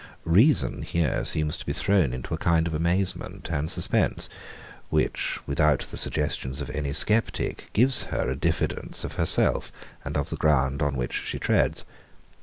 Reason here seems to be thrown into a kind of amazement and suspence, which, without the suggestions of any sceptic, gives her a diffidence of herself, and of the ground on which she treads.